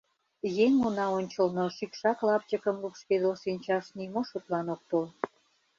Еҥ уна ончылно шӱкшак лапчыкым лупшкедыл шинчаш нимо шотлан ок тол.